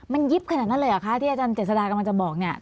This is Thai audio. มันยิบขนาดนั้นเลยเหรอคะที่อาจารย์เจษฎากำลังจะบอกเนี่ย